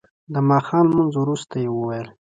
د ماښام لمونځ وروسته یې وویل.